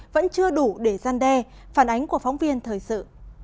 vẫn chưa đủ để gian đe phản ánh của phóng viên thời sự